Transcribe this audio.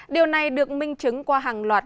điều này được minh chứng qua hàng loạt